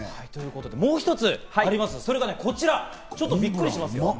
もう一つあります、それがこちら、ちょっとびっくりしますよ。